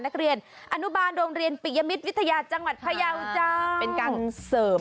นักเรียนอนุบาลโรงเรียนไม